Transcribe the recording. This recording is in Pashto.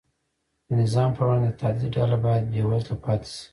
د نظام پر وړاندې د تهدید ډله باید بېوزله پاتې شي.